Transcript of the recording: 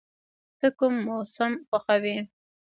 ته کوم موسم خوښوې؟